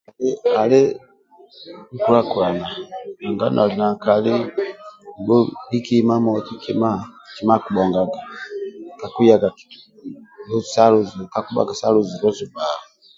Ali nkula kulana nanga noli na nkali bhuliki imamoti kima akibhongaga kakuyaga sa luzu kakibhaga sa luzu luzu bba